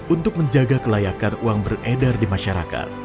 untuk menjaga kelayakan uang beredar di masyarakat